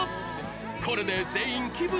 これで全員気分